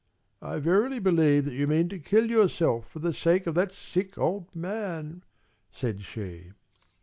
"I verily believe that you mean to kill yourself for the sake of that sick old man!" said she.